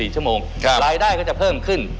๔ชั่วโมงรายได้ก็จะเพิ่มขึ้น